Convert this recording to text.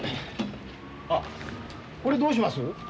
あっこれどうします？